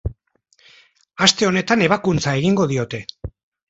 Aste honetan ebakuntza egingo diote.